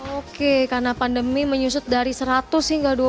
oke karena pandemi menyusut dari seratus hingga dua puluh